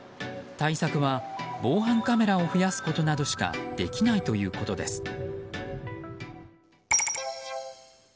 対策は防犯カメラを増やすことなどしかできないということです。